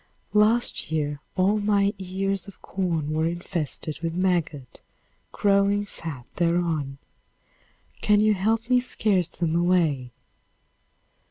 Last year all my ears of corn were infested with maggot, growing fat thereon. Can you help me scare them away?